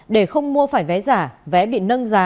để không mua phải vé giả vé bị nâng giá